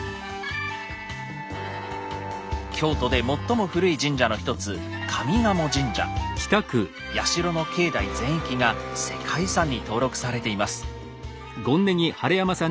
京都で最も古い神社の一つ社の境内全域が世界遺産に登録されています。